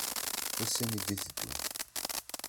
Ussan i d-iteddun.